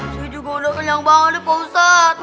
sih juga udah kenyang banget nih pak ustadz